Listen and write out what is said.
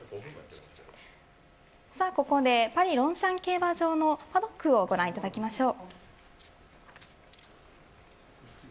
ここでパリロンシャン競馬場のパドックをご覧いただきましょう。